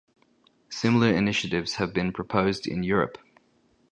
Similar initiatives have been proposed in Europe.